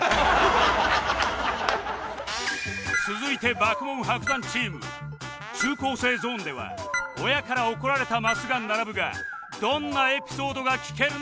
続いて爆問・伯山チーム中高生ゾーンでは親から怒られたマスが並ぶがどんなエピソードが聞けるのか？